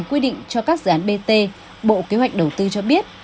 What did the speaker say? quy định cho các dự án bt bộ kế hoạch đầu tư cho biết